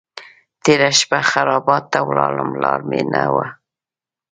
تېره شپه خرابات ته ولاړم لار مې نه وه.